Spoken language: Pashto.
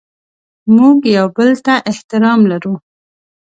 موږ یو بل ته احترام لرو.